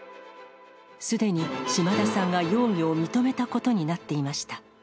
すでに島田さんが容疑を認めたことになっていました。